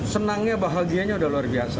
senangnya bahagianya udah luar biasa